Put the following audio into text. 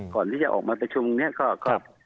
ก่อนที่จะออกมาประชุมเนี่ยก็